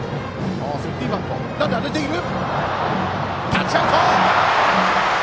タッチアウト！